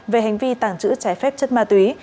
về hành vi tàng trữ trái phép chất ma túy